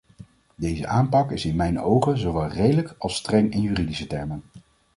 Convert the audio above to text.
Deze aanpak is in mijn ogen zowel redelijk als streng in juridische termen.